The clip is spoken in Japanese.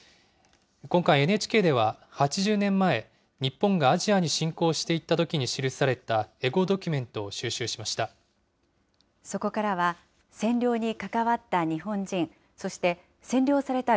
今回、ＮＨＫでは８０年前、日本がアジアに進行していったときに記されたエゴドキュメントを収集しました。